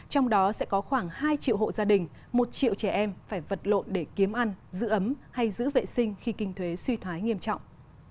trong đó sẽ có khoảng hai triệu hộ gia đình một triệu trẻ em phải vật lộn để kiếm ăn giữ ấm hay giữ vệ sinh khi kinh thuế suy thoái nghiêm trọng